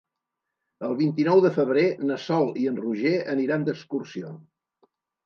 El vint-i-nou de febrer na Sol i en Roger aniran d'excursió.